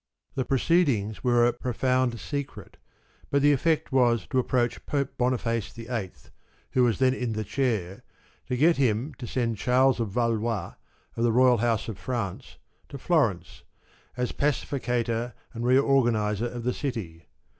The proceedings were a profound secret, but the effect was to approach Pope Boniface VIII., who was then in the Chair, to get him to send Charles of Valois, of the royal house of France, to Florence, as pacificator and reorganiser of the city.